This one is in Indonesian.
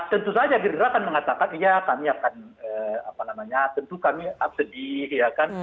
tentu saja gerindra kan mengatakan iya kami akan apa namanya tentu kami sedih ya kan